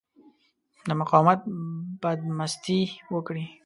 د مقاومت بدمستي وکړي.